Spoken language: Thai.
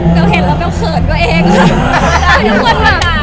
เกิดเห็ดแล้วเกิดเขิดกันเอง